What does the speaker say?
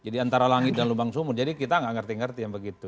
antara langit dan lubang sumur jadi kita nggak ngerti ngerti yang begitu